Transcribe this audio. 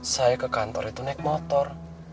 saya ke kantor itu naik motor